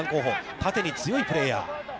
縦に強いプレーヤー。